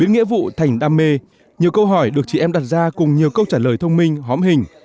nghĩa vụ thành đam mê nhiều câu hỏi được chị em đặt ra cùng nhiều câu trả lời thông minh hóm hình